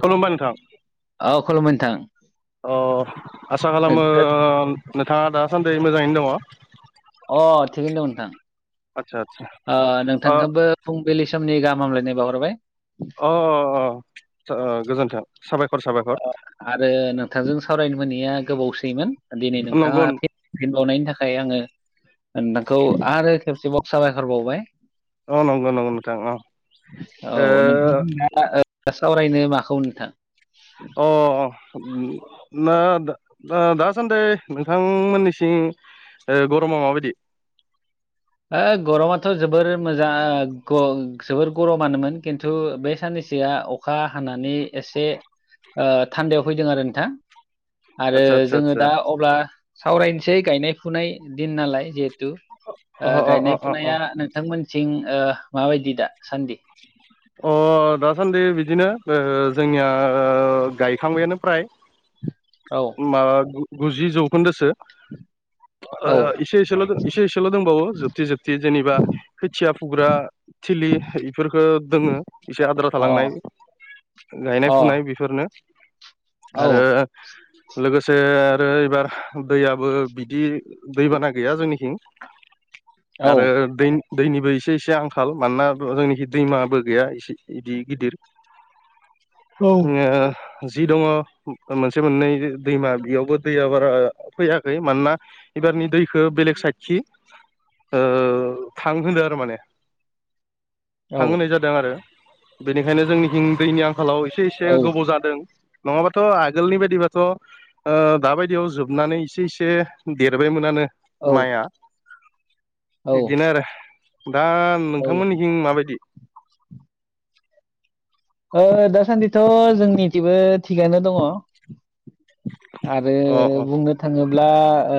खुलुमबाय नोंथां। औ खुलुमबाय नोंथां अ आसा खालामो गो- नोंथाङा दासान्दि मोजाङैनो दङ अ थिगैनो द नोंथां। आतसा आतसा ओ नोंथांखौबो फुंबिलि समनि गाहाम हामलायनाय बावाहरबाय। अ अ गोजोन्थों साबायखर साबायखर आरो नोंथांजों सावरायनो मोनैया गोबावसैमोन दिनै नोंथाङा नंगौ फिनबावनायनि थाखाय आङो नोंथांखौ आरो खेबसेबाव साबायखर बावबाय। औ नंगौ नंगौ नोंथां औ ओ ओ सावरायनो माखौ नोंथां? अ ना-दा-दासान्दै नोंथांमोननिसिं ओ गरमा माबायदि ओ गरमाथ' जोबोर मोजां ओ ग जोबोर गरमानोमोन खिन्थु बे साननैसोआ अ खा हानानै एसे थान्दायाव फैदों आरो नोंथां। आरो आदसा आदसा जोङो आदसा दा अब्ला सावरायनोसै गायनाय फुनाय दिन नालाय जिहेथु [inaudible] ओ अ गायनाय अ अ फुनाया नोंथांमोनथिं माबायदि दा सान्दि [unintelligible] अ दासान्दि बिदिनो ओ जोंनिया गायखांबायानो फ्राय [unintelligible] औ मा गुजि जौखोन्दोसो ओ औ इसे एसेल' एसे एसेल' दंबावो जोबथि जोबथि जेनेबा खोथिया फुग्रा थिलि फोरखो दोङो एसे आद्रा अ थालांनाय गायनाय अ औ फुनाय बेफोरनो आरो औ लोगोसे आरो एबार दैयाबो बिदि दैबाना गैया जोंनिथिं औ आरो दै दैनिबो एसे एसे आंखाल मानोना जोंनिखै दैमाबो गैया एसे इदि गिदिर ओ जि दङ मोनसे मोननै दैमा बेयावबो दैया बारा फैयाखै मानोना एबारनि दैखौ बेलेग साइडखि ओ थांहोदो आरो माने थांहोनाय जादों आरो बेनिखायनो जोंनिथिं दैनि आंखालाव एसे एसे औ गोबाव जादों। नङाबाथ' आगोलनि बायदिबाथ' ओ दाबायदियाव जोबनानै इसे इसे देरबायमोनानो औ माइआ इदिनो औ आरो दा नोंथांमोननिखिं माबाय दि ओ दासान्दिथ' जोंनिथिबो थिगानो दङ। आरो अ अ बुंनो थाङोब्ला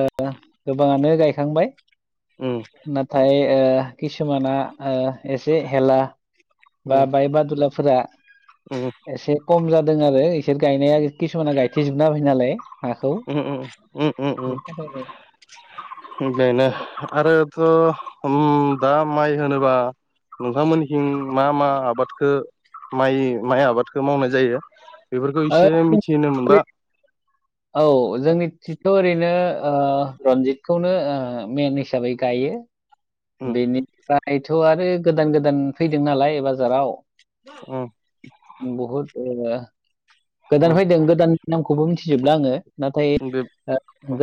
ओ गोबाङानो गायखांबाय। उम नाथाय ओ खिसुमाना ओ एसे हेला बा उम बाय बादुलाफोरा उम एसे खम जादों आरो इसोर गायनाया खिसुमाना गायथेजोबना होबाय नालाय हाखौ उम उम उम उम उम बेनि थाखायनो बेनो आरोथ' उम दा माइ होनोबा नोंथांमोननिहिं मा मा आबादखौ माइ माइ आबादखौ मावनाय जायो बेफोरखौ एसे मिथिनो ओ मोनबा औ जोंनि थिथ' ओरै नो ओ रनजितखौनो ओ मेन हिसाबै गायो उम बेनि थायथ' आरो गोदान गोदान फैदों नालाय बाजाराव उम बहुत ओ गोदान फैदों गोदाननि नामखौबो मिथिजोबला आङो नाथाय उम बे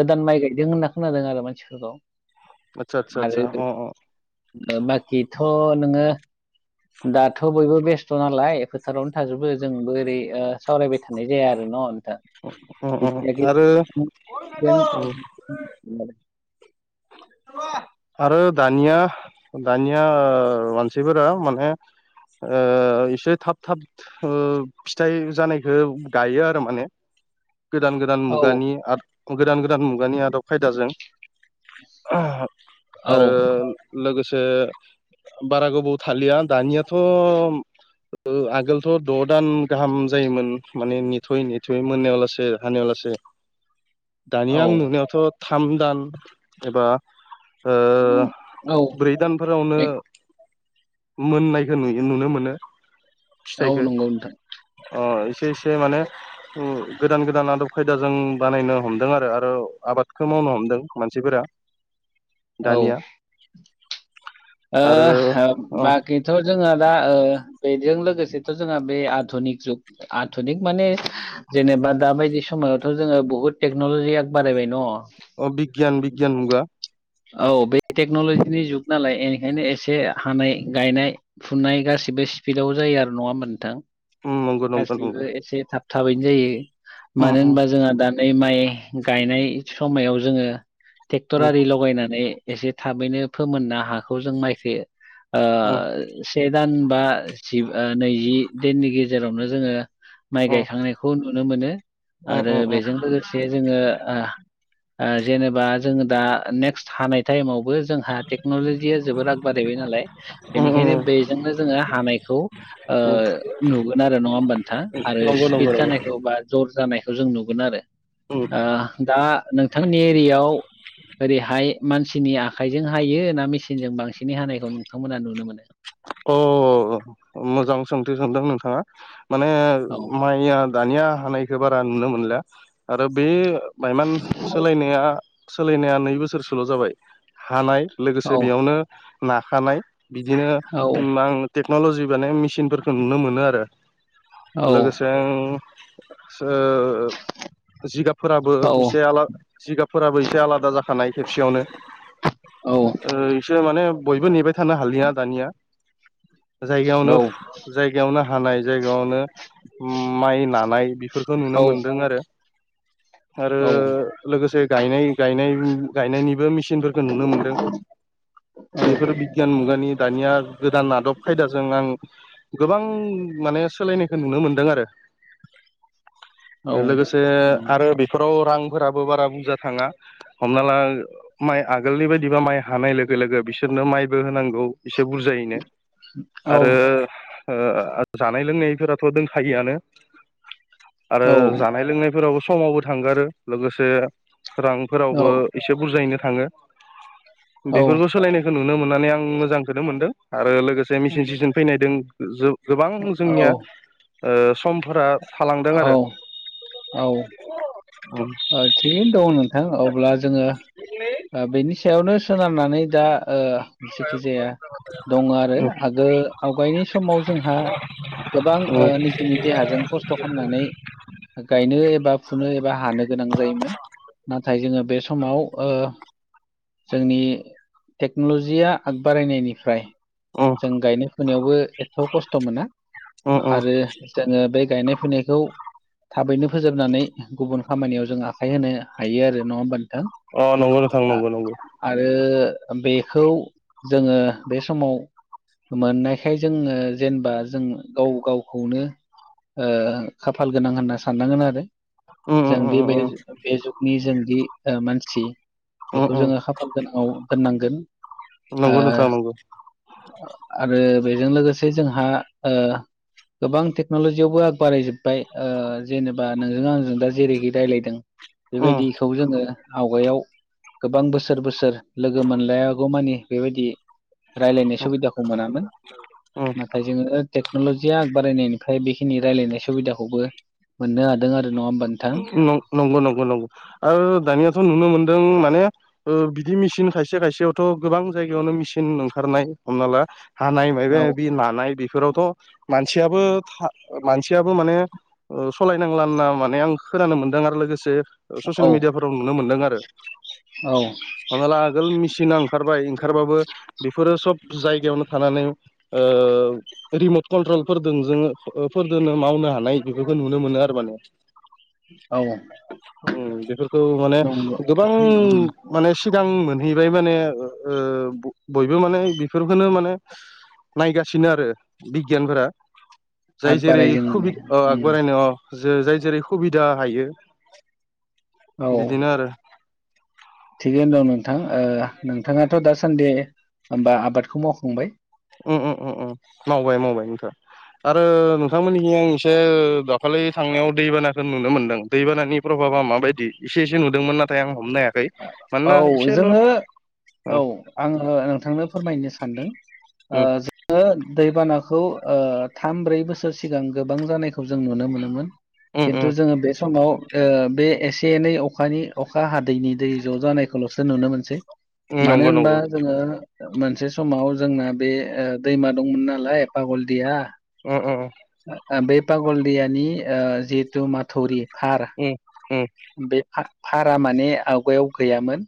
गोदान माइ गायदों होनना खोनादों आरो मानसिफोरखौ आतसा आतसा आतसा आरो अ अ बाखिथ' नोङो दाथ' बयबो बेस्थ' नालाय फोथारावनो थाजोबो जोंबो ओरै सावरायबाय थानाय जाया आरो न' अ अ आरो [unintelligible] आरो दानिया दानिया ओ मानसिफोरा माने ओ इसे थाब थाब ओ फिथाइ जानायखौ गायो आरो माने गोदान गोदान औ मुगानि आ गोदान गोदान मुगानि आदब खायदाजों [inaudible] [unintelligible] औ आरो लोगोसे बारा गोबाव थालिया दानियाथ' ओ आगोलथ' द' दान गाहाम जायोमोन माने नेथ'यै नेथ'यै मोनायाव लासे हानायाव लासे दानिया आं औ नुनायावथ' थाम दान एबा ओ औ ब्रै दान फोरावनो ए- मोननायखौ नुयो नुनो मोनो औ फिथाइखो नंगौ नोंथां अ एसे एसे माने उम गोदान गोदान आदब खायदाजों बानायनो हमदों आरो आरो आबादखौ मावनो हमदों मानसिफोरा औ दानिया आरो ओ अ मा बेथ' जोंहा दा बेजों लोगोसेथ' जोंहा बे आधुनिक जुग आधुनिक माने जेनेबा दा बायदि समायावथ' जोङो बुहुत टेक्न'लजि आग बारायबाय न अ बिग्यान बिगियान मुगा औ बे टेक्न'लजिनि जुग नालाय इनिखायनो एसे हानाय गायनाय फुनाय गासिबो स्पिडआव जायो आरो नङा होमबा नोंथां उम नंगौ नंगौ गासैबो नंगौ एसे थाब थाबैनो जायो उम मानो उम होनबा जोंहा दा नै माइ गायनाय समायाव जोङो टेक्टर उम आरिल' गायनानै एसे थाबैनो फोमोनना हाखौ जों माइखो ओ उम से दान बा जि नैजि दिननि गेजेरावनो जोङो माइ अ गायखांनायखौ नुनो मोनो अ आरो अ अ बेजों लोगोसे जोङो आ ओ जेनेबा जोङो दा नेक्स्ट हानाय टाइमावबो जोंहा टेक्न'लजिया जोबोद आग बारायबाय नालाय उम उम बेनिखायनो बेजोंनो जोङो हानायखौ ओ उम नुगोन आरो नङा होमबा नोंथांङा आरो नंगौ नंगौ स्पिपिड नंगौ जानायखौ बा जर जानायखौ जों नुगोन आरो उम ओ दा नोंथांनि एरियायाव ओरैहाय मानसिनि आखाइजों हायो ना मेसिनजों बांसिनै हानायखौ नोंथांमोना नुनो मोनो अ मोजां सोंथि सोंदों नोंथाङा माने औ माइ मया दानिया हानायखौ बारा नुनो मोनला आरो बे बाइमान सोलायनाया सोलायनाया नै बोसोरसोल' जाबाय हानाय लोगोसे औ बेयावनो नाखानाय बिदिनो औ आं टेक्न'ल'जिबाने मेसिनफोरखौ नुनो मोनो आरो औ लोगोसे जिगाबफोराबो औ एसे आला जिगाबफोराबो एसे आलादा जाखानाय खेबसेयावनो औ इसे माने बयबो नेबाय थानो हालिया दानिया औ जायगायावनो जायगायावनो हानाय जायगायावनो माइ लानाय बेफोरखौ नुनो औ मोनदों आरो आरो औ लोगोसे गायनाय गायनायनिबो मिस फोरखौ नुनो मोनदों बेफोर बिगियान मुगानि दानिया गोदान आदब खायदाजों आं गोबां माने सोलायनायखौ नुनो मोनदों आरो लोगोसे आरो बेफोराव रांफोराबो बारा बुरजा थाङा। हमना ला माइ आगोलनि बायदिबा माइ हानाय लोगो लोगो बिसोरनो माइबो होनांगौ एसे बुरजाय आरो जानाय ओ लोंनायफोराथ' दंखायोआनो आरो औ जानाय लोंनायफोरावबो समावबो थांगारो लोगोसे रांफोरावबो एसे बुरजायैनो थाङो औ बेफोरखौ सोलायनायखौ नुनो मोननानै आं मोजांखौनो मोनदों आरो लोगोसे औ मिसिन सिजन फैनायदों गोबां औ जोंनिया समफोरा थालांदों औ आरो उम ओ थिगैनो दङ नोंथां अब्ला जोङो बेनि सायावनो सोनारनानै दा ओ जेखिजाया दङ आरो आगो आवगायनाय समाव जोंहा गोबां ओ उम नि देहाजों खस्थ' खालामनानै गायनो एबा फुनो एबा हानो गोनां जायोमोन नाथाय जोङो बे समाव ओ जोंनि टेक्न'ल'जिया आगबारायनायनिफ्राय उम जों गायनाय फुनायावबो एथ' खस्थ' मोना उम उम आरो जोङो बे गायनाय फुनायखौ थाबैनो फोजोबनानै गुबुन खामानियाव जों आखाइ होनो हायो आरो नङा होमबानो अ नंगौ नखां नंगौ नंगौ। आरो बेखौ जोङो बे समाव मोननायखाय जोङो जेनेबा जों गाव गावखौनो ओ खाफाल गोनां होनना साननांगोन आरो उम जों उम दि उम बे उम बे जुगनि जोंदि मानसि उम बेखौ उम जोङो खाफाल गोनाङाव दोननांगोन नंगौ ओ नोंथां नंगौ आरो बेजों लोगोसे जोंहा ओ गोबां टेक्न'लजियावबो आग बारायजोब्बाय ओ जेनेबा नोंजों आंजों दा जेरैखि रायज्लायदों उम बेबायदिखौ जोङो आवगायाव गोबां बोसोर बोसोर लोगो मोनलायागौ मानि बेबायदि रायज्लायनाय सुबिदाखौ मोनामोन उम नाथाय जोङो टेक्न'लजियाग बारायनायनि ओंखाय बेखिनि रायजलायनाय सुबिदाखौबो मोननो हादों आरो नङा होमबानो नंगौ नंगौ नंगौ ओ दानियाथ' नुनो मोनदों माने बिदि मेचिन खायसे खायसेयावथ' गोबां जायगायावनो मेचिन ओंखारनाय हमना ला औ [unintelligible] बेफोरावथ' मानसियाबो मानसियाबो माने सालायनांलाा मान आं खोनानो मोनदों आरो लोगोसे ससियेल औ मिडियाफोराव नुनो मोनदों आरो औ हमनाला आगोल मेसिना ओंखारबाय ओंखारबाबो बेफोरो सब जायगायावनो थानानै ओ रिमट कन्ट्रलफोरदों जो फोरजोंनो मावनो हानाय बेफोरखौ नुनो मोनो आरो माने औ उम बेफोरखौ माने नंगौ गोबां उम माने सिगां मोनहैबाय माने ओ बयबो माने बेफोरखौनो माने नायगासिनो आरो बिगियानफोरा जाय आग बारायजों माने जेरैद अ उम आगबारायनो जे जाय जेरै सुबिदा हायो औ बिदिनो आरो थिगैनो दं नोंथां ओ नोंथाङाथ' दासान्दे होमबा आबादखौ मावखांबाय उ उ उ मावबाय मावबाय नोंथां आरो नोंथांमोननिसि आं एसे दाखालि थांनायाव दैबानाखौ नुनो मोन्दों दैबानानि प्रभाबा माबायदि इसे एसे नुदोंमोन नाथाय आं हमनाय आरो औ जोङो औ आङो नोंथांनो फोरमायनो सानदों उम ओ ओ दैबानाखौ थाम ब्रै बोसोर सिगां गोबां जानायखौ जों नुनो मोनोमोन। उम खिन्थु जोङो बे समाव ओ बे एसे एनै अखानि अखा हादैनि दै ज' जानायखौल'सो नुनो मोनसै उम मानो नंगौ होनबा नंगौ जोङो मोनसे समाव जोंना बे दैमा दंमोन नालाय पागलदिया। उम उम उम। ओ बे पागलदियानि ओ जिहेतु माथौरि खार उम उम। बे फा-फारा माने आवगायाव गैयामोन।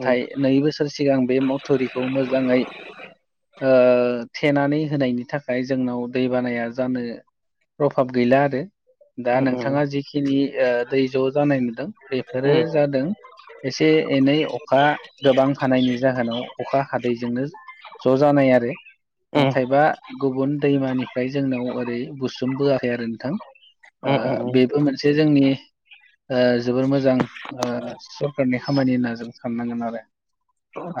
उम नै बोसोर सिगां बे मथुरिखौ मोजाङै ओ थेनानै होनायनि थाखाय जोंनाव दै बानाया जानो प्रभाब गैला आरो। दा उम उम नोंथाङा जिखिनि ओ दै ज' जानाय मोनदों बेफोरो उम जा जादों एसे एनै अखा गोबां हानायनि जाहोनाव अखा हादैजोंनो जा ज' जानाय आरो। उम नाथायबा गुबुन दैमानिफ्राय जोंनाव ओरै बुसोमबोआखै आरो नोंथां। उम उम ओ उम बेबो मोनसे जोंनि ओ जोबोर मोजां ओ सरखारनि खामानि होनना जों साननांगोन आरो।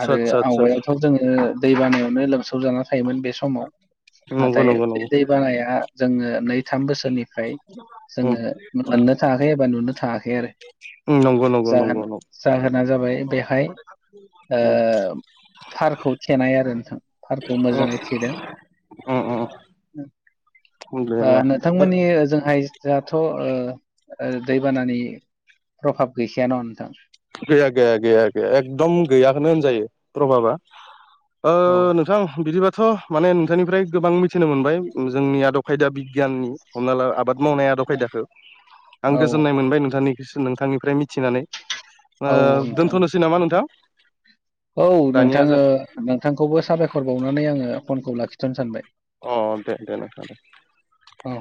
[inaudible] आरो आतसा आतसा आवगायावथ' जोङो ओ दै बानायावनो लोमसाव जाना थायोमोन बे समाव। नंगौ नाथाय नंगौ बे नंगौ दै बानाया जोङो नै थाम बोसोरनिफ्राय उम जोङो मोननो थाङाखै। एबा नुनो थाङाखै आरो उम नंगौ नंगौ जाहोन नंगौ नंगौ। जाहोना जाबाय [inaudible] औ। थारखौ थेनाय आरो नोंथां। थारखौ मोजाङै थेदों। उम उम उम [inaudible] ओ बेनो नोंथांमोननि ओजोंहाय जोंहाथ' ओ ओ दैबानानि प्रभाब गैखायान' नोंथां? गैया गैया गैया गैया एकदम गैयाखौनो होनजायो प्रभाबा। ओ औ नोंथां बिदिबाथ' माने नोंथांनिफ्राय गोबां मिथिनो मोनबाय। जोंनि आद खायदा बिगियाननि। हमना ला आबाद मावनाय द' खायदाखौ आं औ गोजोननाय मोनबाय नोंथांनि सिन नोंथांनिफ्राय मिथिनानै। ओ औ नोंथां दोनथ'नोसै नामा नोंथां? औ नोंथा दानिया जों ओ नोंथांखौबो साबायखर बावनानै आङो फनखौ लाखिथ'नो सानबाय। अ दे दे नोंथां दे। औ।